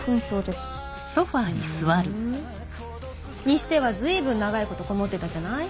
にしては随分長いことこもってたじゃない？